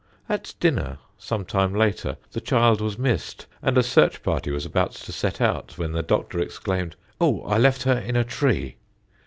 At dinner, some time later, the child was missed, and a search party was about to set out when the Doctor exclaimed, "Oh, I left her in a tree!"